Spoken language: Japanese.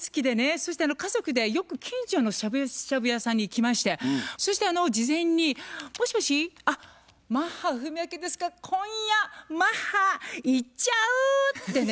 そして家族でよく近所のしゃぶしゃぶ屋さんに行きましてそして事前に「もしもし？あっマッハ文朱ですが今夜マッハ行っちゃう！」ってね